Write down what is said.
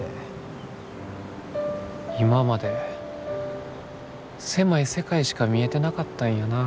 今まで狭い世界しか見えてなかったんやな。